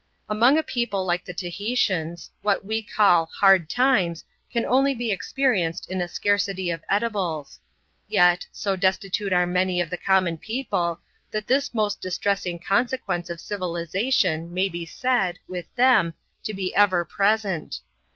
Among a people like the Tahitians, what we call " hard times " can only be experienced in a scarcity of edibles ; yet^ bo destitute are many of the common people, that this most dis tressing consequence of civilisation may be said, with them, to be ever present.